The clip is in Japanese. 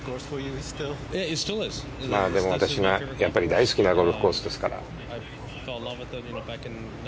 でも、私が大好きなゴルフコースですから。